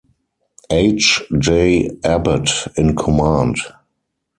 H. J. Abbett in command.